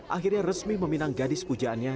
akhirnya resmi meminang gadis pujaannya